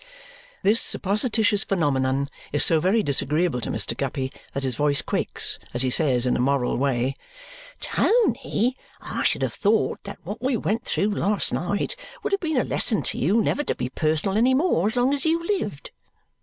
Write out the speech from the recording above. This supposititious phenomenon is so very disagreeable to Mr. Guppy that his voice quakes as he says in a moral way, "Tony, I should have thought that what we went through last night would have been a lesson to you never to be personal any more as long as you lived."